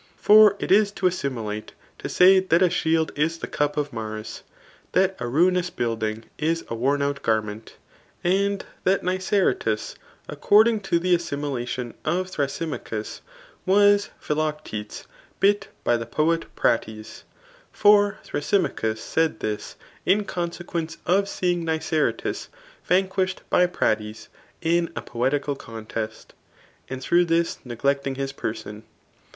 For it is to assimilate, to say that a shield is the cup of Mars ; that a ruinous huilding is a W>m»out gamient ; and that Ij/iceratus^ according to the assimiladon of Thrasymachus, was Fhiloctetes bit hf fthe poet] Praitfs. For Thrasymachus said this, in con sequence of seeing Niceratus vanquished by Pratys in a poetical contest, and through this neglecting his per son.